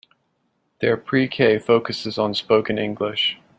Their Pre-K focuses on spoken English.